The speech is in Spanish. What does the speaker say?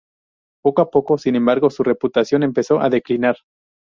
Poco a poco, sin embargo, su reputación empezó a declinar.